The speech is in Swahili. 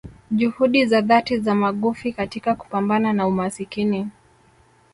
Juhudi za dhati za magufi katika kupambana na umasikini